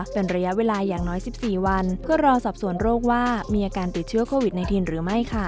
เป็นระยะเวลาอย่างน้อย๑๔วันเพื่อรอสอบสวนโรคว่ามีอาการติดเชื้อโควิด๑๙หรือไม่ค่ะ